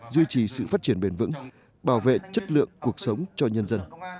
duy trì sự phát triển bền vững bảo vệ chất lượng cuộc sống cho nhân dân